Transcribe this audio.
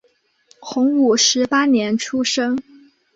洪武十八年出生。